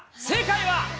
正解は。